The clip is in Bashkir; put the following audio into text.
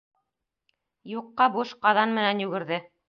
Юҡҡа буш ҡаҙан менән йүгерҙе.